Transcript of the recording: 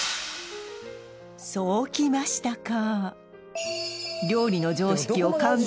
そうきましたか！